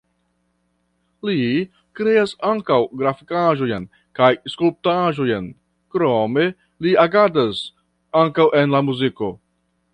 Li kreas ankaŭ grafikaĵojn kaj skulptaĵojn, krome li agadas ankaŭ en la muziko.